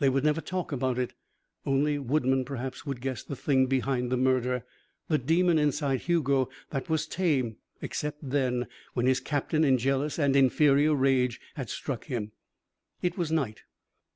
They would never talk about it. Only Woodman, perhaps, would guess the thing behind the murder the demon inside Hugo that was tame, except then, when his captain in jealous and inferior rage had struck him. It was night.